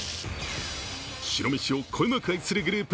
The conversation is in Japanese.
白めしをこよなく愛するグループ